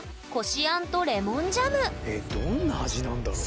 まずはえっどんな味なんだろう。